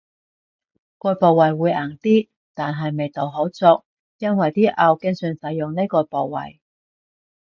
個部位會硬啲，但係味道好足，因爲啲牛經常使呢個部位